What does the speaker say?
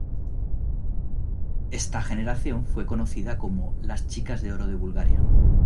Esta generación fue conocida como las "Chicas de Oro de Bulgaria".